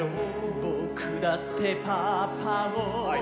「僕だってパパを」